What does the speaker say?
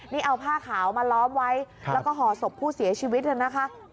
นี่เอาผ้าขาวมาล้อมไว้แล้วก็ห่อศพผู้เสียชีวิตนะคะ